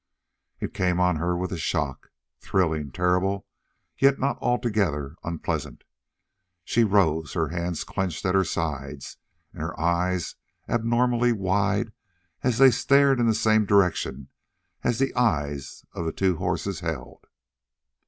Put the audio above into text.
It came on her with a shock, thrilling, terrible, yet not altogether unpleasant. She rose, her hands clenched at her sides and her eyes abnormally wide as they stared in the same direction as the eyes of the two horses held.